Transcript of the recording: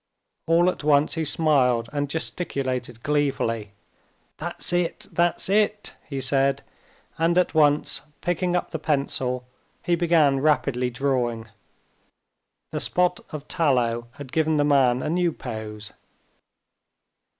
All at once he smiled and gesticulated gleefully. "That's it! that's it!" he said, and, at once picking up the pencil, he began rapidly drawing. The spot of tallow had given the man a new pose.